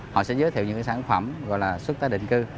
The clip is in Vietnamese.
họ sẽ giới thiệu những sản phẩm gọi là xuất tái định cư